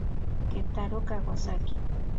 Kentaro Kawasaki